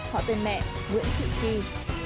họ tên mẹ nguyễn thị chi